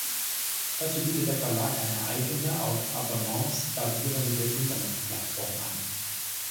Dazu bietet der Verlag eine eigene auf Abonnements basierende Internetplattform an.